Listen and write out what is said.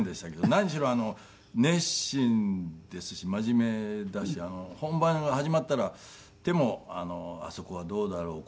何しろ熱心ですし真面目だし本番が始まってもあそこはどうだろう？